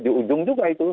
di ujung juga itu